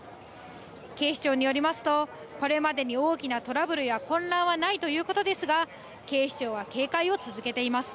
警視庁によりますと、これまでに大きなトラブルや混乱はないということですが、警視庁は警戒を続けています。